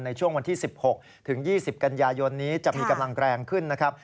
ในช่วงวันที่๑๖ถึง๒๐กันยายนนี้จะมีกำลังแรงขึ้นนะครับ